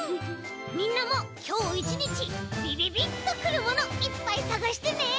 みんなもきょういちにちびびびっとくるものいっぱいさがしてね。